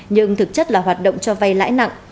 nhưng thực chất là hoạt động cho vay lãi nặng